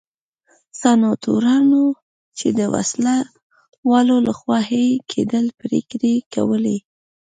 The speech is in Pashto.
سناتورانو چې د وسله والو لخوا حیه کېدل پرېکړې کولې.